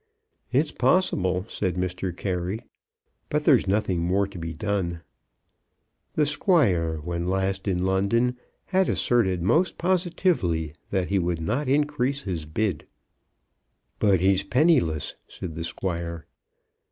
"It's possible," said Mr. Carey; "but there's nothing more to be done." The Squire when last in London had asserted most positively that he would not increase his bid. "But he's penniless," said the Squire.